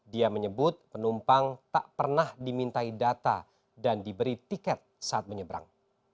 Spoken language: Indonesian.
dia menyebut penumpang tak pernah dimintai data dan diberi tiket saat menyeberang